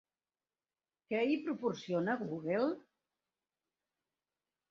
Què hi proporciona Google?